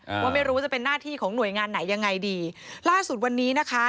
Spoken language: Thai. ว่าไม่รู้จะเป็นหน้าที่ของหน่วยงานไหนยังไงดีล่าสุดวันนี้นะคะ